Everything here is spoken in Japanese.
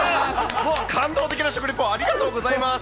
感動的な食リポ、ありがとうございます。